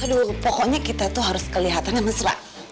aduh pokoknya kita tuh harus kelihatan ya mbak